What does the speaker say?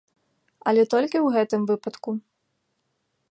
Але толькі ў гэтым выпадку.